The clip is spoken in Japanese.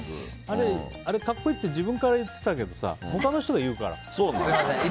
格好いいって自分から言ってたけどさ他の人が言うから。